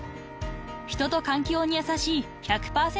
［人と環境に優しい１００％